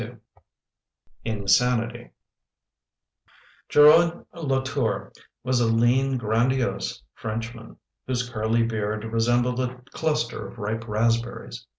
INSANITY GEROID LATOUR was a lean, grandiose French man whose curly beard resembled a cluster of ripe raspberries.